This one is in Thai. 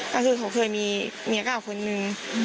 ก็คือเขาเคยมีเมียเก่าคนนึง